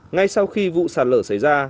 ngay sau khi vụ sạt lở xảy ra